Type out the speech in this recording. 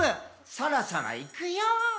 「そろそろいくよー」